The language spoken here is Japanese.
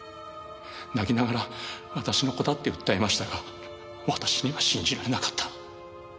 泣きながら私の子だって訴えましたが私には信じられなかった。